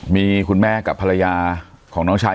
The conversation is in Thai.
มีคุณแม่กับภรรยาของน้องชาย